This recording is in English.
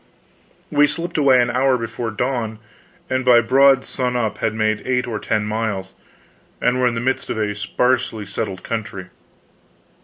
We slipped away an hour before dawn, and by broad sun up had made eight or ten miles, and were in the midst of a sparsely settled country.